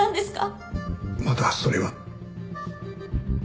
まだそれは。